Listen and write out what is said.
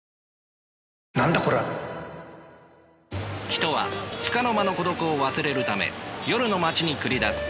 人はつかの間の孤独を忘れるため夜の街に繰り出す。